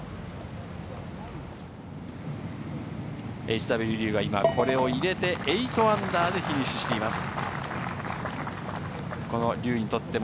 Ｈ．Ｗ．リューがこれを入れて、−８でフィニッシュしています。